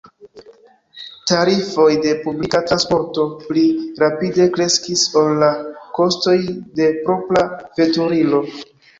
Tarifoj de publika transporto pli rapide kreskis ol la kostoj de propra veturilo.